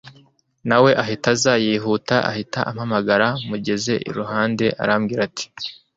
nawe ahita aza yihuta ahita ampamagara mugeze iruhande arambwira ati